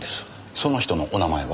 その人のお名前は？